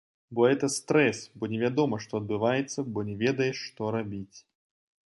Бо гэта стрэс, бо невядома, што адбываецца, бо не ведаеш, што рабіць.